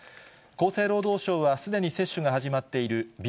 厚生労働省はすでに接種が始まっている、ＢＡ．